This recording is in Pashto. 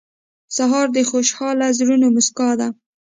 سهار د خوشحال زړونو موسکا ده.